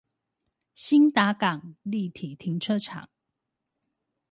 興達港立體停車場